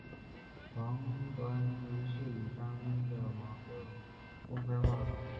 黄绾于是与张璁的矛盾公开化了。